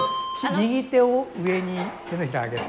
右手を上に手のひら上げて。